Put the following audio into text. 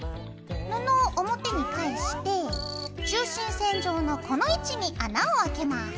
布を表に返して中心線上のこの位置に穴をあけます。